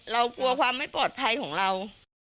เรากลัวความไม่ปลอดภัยของเรา